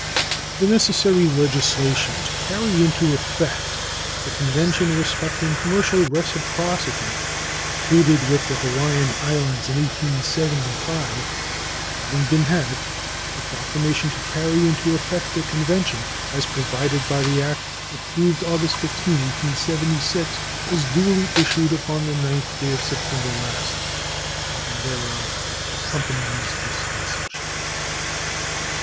The necessary legislation to carry into effect the convention respecting commercial reciprocity concluded with the Hawaiian Islands in 1875 having been had, the proclamation to carry into effect the convention, as provided by the act approved August 15, 1876, was duly issued upon the 9th day of September last. A copy thereof accompanies this message.